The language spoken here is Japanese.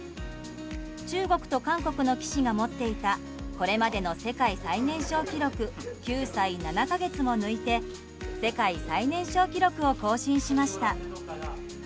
中国と韓国の棋士が持っていたこれまでの世界最年少記録９歳７か月も抜いて世界最年少記録を更新しました。